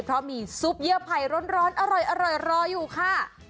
เพราะมีซุปเยื่อไผ่ร้อนอร่อยรออยู่ค่ะ